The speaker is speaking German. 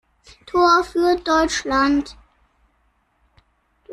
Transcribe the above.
Tor für Deutschland!